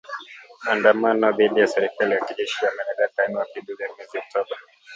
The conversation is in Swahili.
Maandamano dhidi ya serikali ya kijeshi yameendelea tangu mapinduzi ya mwezi Oktoba.